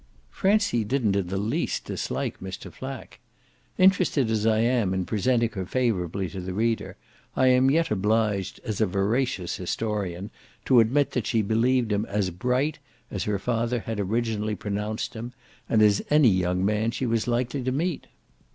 Francie didn't in the least dislike Mr. Flack. Interested as I am in presenting her favourably to the reader I am yet obliged as a veracious historian to admit that she believed him as "bright" as her father had originally pronounced him and as any young man she was likely to meet.